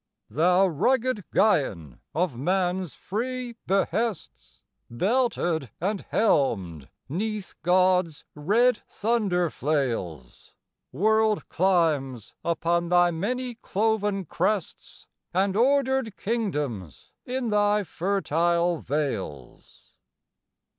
Thou rugged Gaian of man's free behests, Belted and helmed 'neath God's red thunder flails; World climes upon thy many cloven crests, And ordered kingdoms in thy fertile vales!